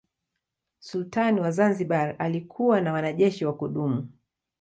Sultani wa Zanzibar alikuwa na wanajeshi wa kudumu.